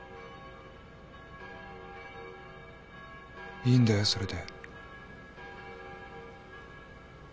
いいんだよそれで。